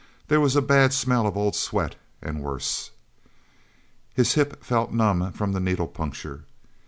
There was a bad smell of old sweat, and worse. His hip felt numb from the needle puncture.